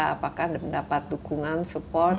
apakah mendapat dukungan support